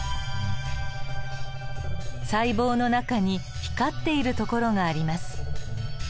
細胞の中に光っているところがあります。